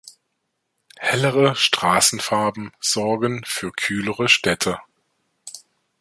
Hellere Straßenfarben sorgen für kühlere Städte.